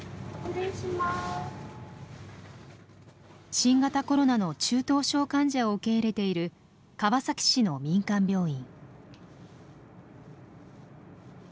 新型コロナの中等症患者を受け入れている川崎市の民間病院。